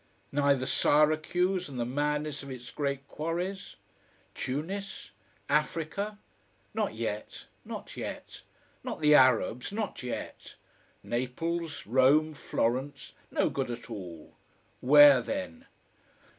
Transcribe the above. Neither Syracuse and the madness of its great quarries. Tunis? Africa? Not yet, not yet. Not the Arabs, not yet. Naples, Rome, Florence? No good at all. Where then?